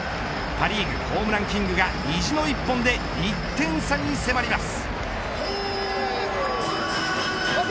パ・リーグ、ホームランキングが意地の１本で１点差に迫ります。